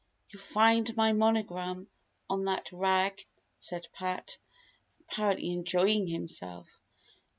"You'll find my monogram on that rag," said Pat, apparently enjoying himself.